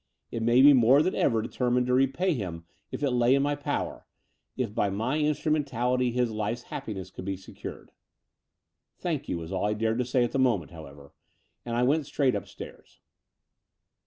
It made me more than ever determined to repay him if it lay in my power — if by my instrumentality his life's happi ness could be secured. '* Thank you," was all I dared say at the mo ment, however; and I went straight upstairs.